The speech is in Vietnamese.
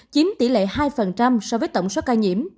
chiếm tỷ lệ hai so với tổng số ca nhiễm